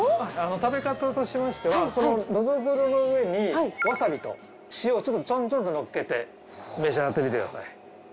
食べ方としましてはそのノドグロの上にわさびと塩をちょっとチョンチョンとのっけて召し上がってみてください。